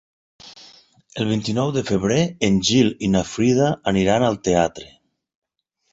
El vint-i-nou de febrer en Gil i na Frida iran al teatre.